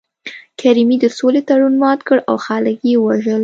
کرمي د سولې تړون مات کړ او خلک یې ووژل